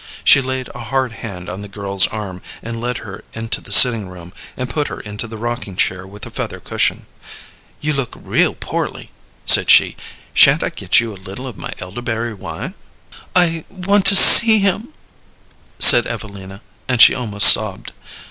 She laid a hard hand on the girl's arm, and led her into the sitting room, and put her into the rocking chair with the feather cushion. "You look real poorly," said she. "Sha'n't I get you a little of my elderberry wine?" "I want to see him," said Evelina, and she almost sobbed.